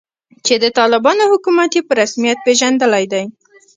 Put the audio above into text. چې د طالبانو حکومت یې په رسمیت پیژندلی دی